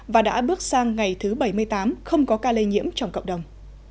và đã bước sang ngày thứ bảy mươi tám không có ca lây nhiễm trong cộng đồng